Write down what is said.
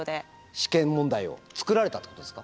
試験問題を作られたってことですか？